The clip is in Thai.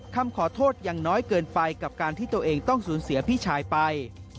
คำขอโทษยังน้อยเกินไปกับการที่ตัวเองต้องสูญเสียพี่ชายไป